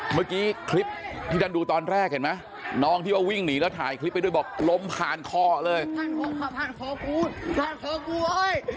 เมื่อกี้คลิปที่ท่านดูตอนแรกเห็นไหมน้องที่ว่าวิ่งหนีแล้วถ่ายคลิปไปด้วยบอกลมผ่านคอเลย